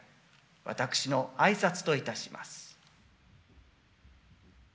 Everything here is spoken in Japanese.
私の挨拶といたします。